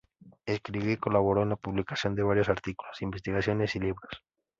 Escribió y colaboró en la publicación de varios artículos, investigaciones y libros.